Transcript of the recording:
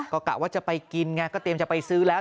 ก็กะว่าจะไปกินไงก็เตรียมจะไปซื้อแล้ว